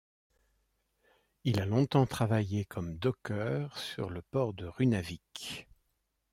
Il a longtemps travaillé comme docker sur le port de Runavík.